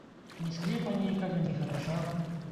Ні склепа нейкага, ні гаража.